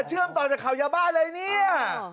เชื่อมต่อจากข่าวยาบ้าเลยเนี่ย